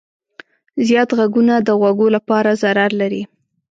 زیات غږونه د غوږو لپاره ضرر لري.